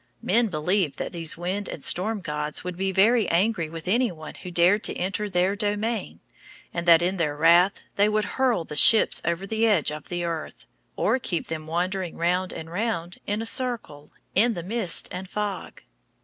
Men believed that these wind and storm gods would be very angry with any one who dared to enter their domain, and that in their wrath they would hurl the ships over the edge of the earth, or keep them wandering round and round in a circle, in the mist and fog.